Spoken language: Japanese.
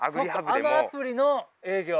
あのアプリの営業？